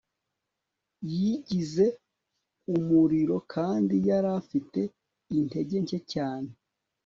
yagize umuriro kandi yari afite intege nke cyane